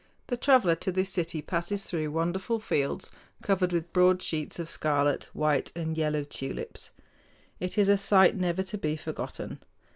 The traveler to this city passes through wonderful fields covered with broad sheets of scarlet, white, and yellow tulips. It is a sight never to be forgotten.